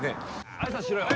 挨拶しろよ